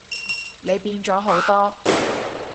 你變咗好多